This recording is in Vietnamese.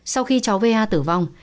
sau khi cháu va tử vong